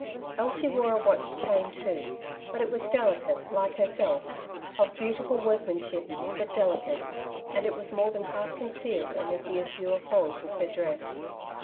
Elsie wore a watch chain too, but it was delicate, like herself — of beautiful workman ship, but delicate, and it was more than half con cealed amid the azure folds of her dress.